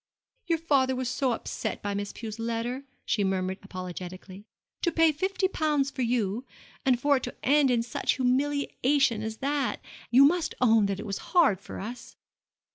'Your father was so upset by Miss Pew's letter,' she murmured apologetically. 'To pay fifty pounds for you, and for it to end in such humiliation as that. You must own that it was hard for us.'